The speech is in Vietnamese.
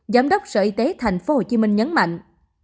giám đốc sở y tế thành phố hồ chí minh nhấn mạnh